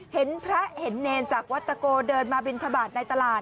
เห็นพระเห็นเนรจากวัตโกเดินมาบินทบาทในตลาด